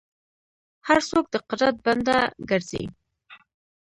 هر څوک د قدرت بنده ګرځي.